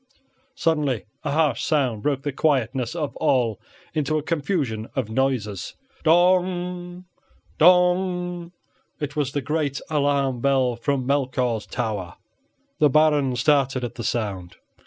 Suddenly a harsh sound broke the quietness of all into a confusion of noises. Dong! Dong! it was the great alarm bell from Melchior's Tower. The Baron started at the sound.